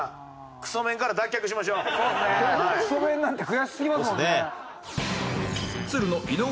クソメンなんて悔しすぎますもんね。